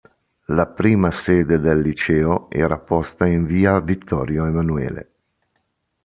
La prima sede del liceo era posta in via Vittorio Emanuele.